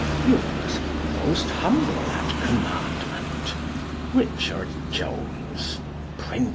Yours, most humble at commandment, R[ichard] J[ones], printer.